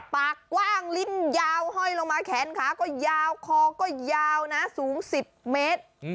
ปากกว้างลิ้นยาวห้อยลงมาแขนขาก็ยาวคอก็ยาวนะสูง๑๐เมตร